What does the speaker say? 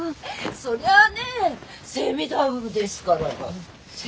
そりゃあねセミダブルですから。